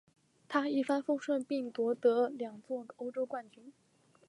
他一帆风顺并夺得两座欧洲冠军。